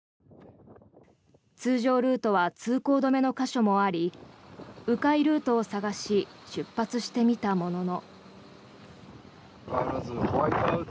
通常ルートは通行止めの箇所もあり迂回ルートを探し出発してみたものの。